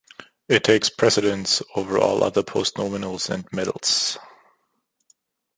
It takes precedence over all other postnominals and medals.